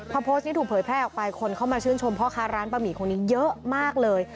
พอโพสต์นี้ถูกเผยแพร่ออกไปคนเข้ามาชื่นชมพ่อค้าร้านบะหมี่คนนี้เยอะมากเลย